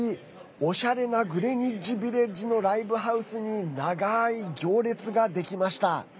おしゃれなグリニッチビレッジのライブハウスに長い行列ができました。